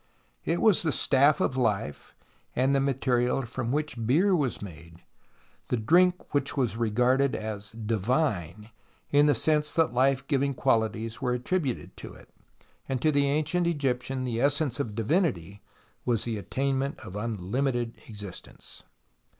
It was the staff of life and the material from which beer was 64 TUTANKHAMEN made, the drink which was regarded as " divine," in the sense that hfe giving quahties were attributed to it, and to the ancient Egyptian the essence of divinity was the attainment of unhmited existence.